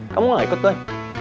kamu gak ikut deh